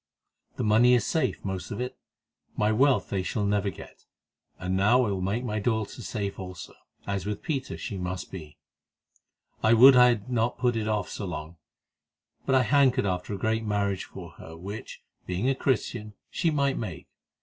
The money is safe, most of it; my wealth they shall never get, and now I will make my daughter safe also, as with Peter she must be. I would I had not put it off so long; but I hankered after a great marriage for her, which, being a Christian, she well might make.